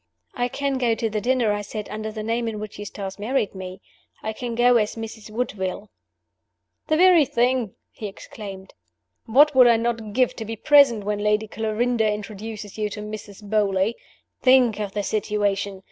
"I can go to the dinner," I said, "under the name in which Eustace married me. I can go as 'Mrs. Woodville.'" "The very thing!" he exclaimed. "What would I not give to be present when Lady Clarinda introduces you to Mrs. Beauly! Think of the situation.